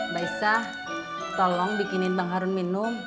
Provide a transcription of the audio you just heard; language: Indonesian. baisah tolong bikinin bang harun minum